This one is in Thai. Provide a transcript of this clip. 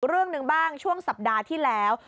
เรื่องหนึ่งบ้างช่วงสัปดาห์ที่แล้ว